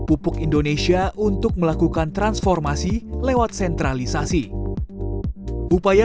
pupuk indonesia holding company